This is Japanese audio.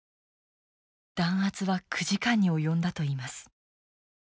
弾圧は９時間に及んだといいます。